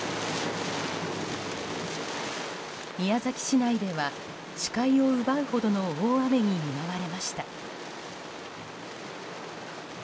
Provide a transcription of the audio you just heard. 宮崎市内では視界を奪うほどの大雨に見舞われました。